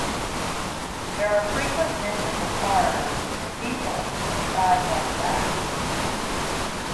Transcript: There are frequent mentions of corridors and people inside Multivac.